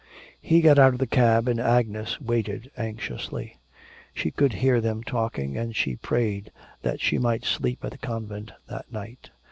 He got out of the cab and Agnes waited anxiously. She could hear them talking, and she prayed that she might sleep at the convent that night.